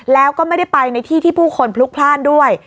แล้วก็ไม่ได้ไปในที่ที่ผู้คนพลุกพลาดด้วย